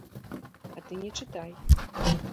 А ты не чытай.